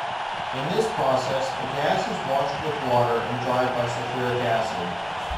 In this process, the gas is washed with water, and dried by sulphuric acid.